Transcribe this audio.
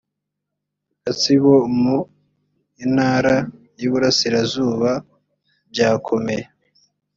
gatsibo mu intara y iburasirazuba byakomeye